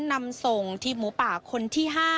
นำส่งทีมหมูป่าคนที่๕